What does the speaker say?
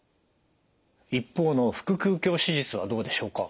一方の腹腔鏡手術はどうでしょうか？